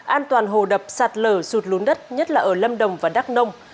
an toàn hồ đập sạt lở rụt lún đất nhất là ở lâm đồng và đắk nông